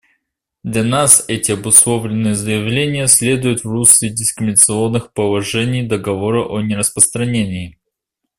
Для нас эти обусловленные заявления следуют в русле дискриминационных положений Договора о нераспространении.